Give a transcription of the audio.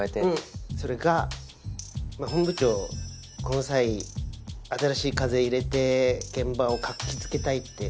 それが本部長この際新しい風入れて現場を活気づけたいって。